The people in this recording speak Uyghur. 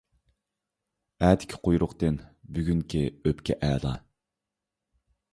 ئەتىكى قۇيرۇقتىن بۈگۈنكى ئۆپكە ئەلا.